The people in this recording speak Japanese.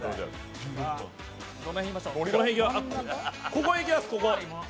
ここへいきます、ここ。